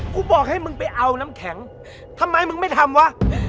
บอกให้มึงไปเอาน้ำแข็งทำไมมึงไม่ทำวะ